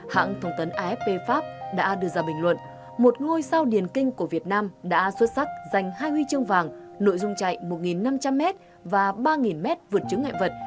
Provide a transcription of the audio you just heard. hãng thông tấn afp pháp đã đưa ra bình luận một ngôi sao điền kinh của việt nam đã xuất sắc giành hai huy chương vàng nội dung chạy một năm trăm linh m và ba m vượt chứng ngại vật